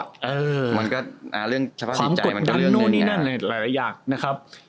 สมควรสำคัญใจมันก็เป็นเรื่องหนึ่ง